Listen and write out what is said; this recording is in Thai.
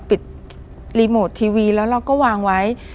ปิดรีโมททีวีแล้วเราก็วางไว้